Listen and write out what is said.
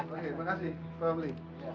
oke makasih pak amli